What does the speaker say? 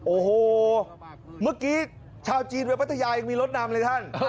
โอ้โหเมื่อกี้ชาวจีนไปพัทยายังมีรถนำเลยท่าน